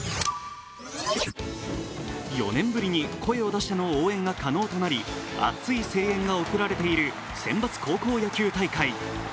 ４年ぶりに声を出しての応援が可能となり熱い声援が送られている選抜高校野球大会。